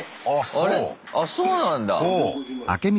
ああそうなんだ。